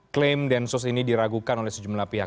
klaim densus ini diragukan oleh sejumlah pihak